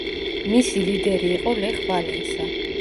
მისი ლიდერი იყო ლეხ ვალენსა.